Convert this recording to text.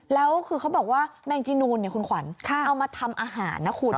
แล้วคือเขาบอกว่าแมงจีนูนคุณขวัญเอามาทำอาหารนะคุณ